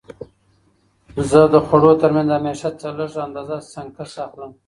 زه د خوړو ترمنځ همیشه څه لږه اندازه سنکس اخلم.